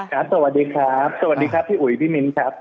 สวัสดีครับสวัสดีครับพี่อุ๋ยพี่มิ้นครับ